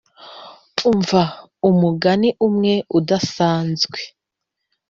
umva umugani umwe udasanzwe